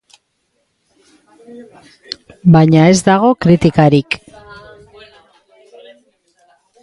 Baina ez dago kritikarik.